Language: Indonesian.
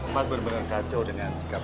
mas bener bener kacau dengan si kakak